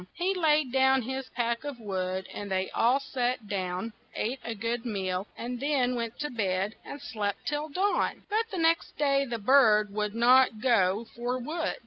He laid down his pack of wood, and they all sat down, ate a good meal, and then went to bed and slept till dawn. But the next day the bird would not go for wood.